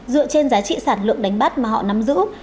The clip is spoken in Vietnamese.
dựa trên giá trị sản lượng đánh bắt mà họ nắm giữ